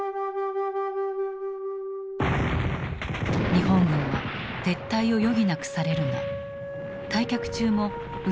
日本軍は撤退を余儀なくされるが退却中も飢えと病に襲われる。